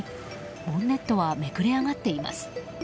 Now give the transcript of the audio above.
ボンネットはめくれ上がっています。